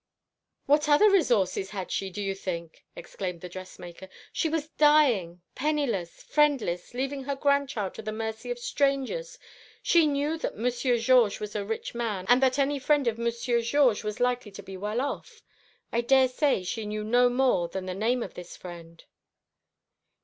"What other resources had she, do you think?" exclaimed the dressmaker. "She was dying, penniless, friendless, leaving her grandchild to the mercy of strangers. She knew that Monsieur Georges was a rich man, and that any friend of Monsieur Georges was likely to be well off. I daresay she knew no more than the name of this friend."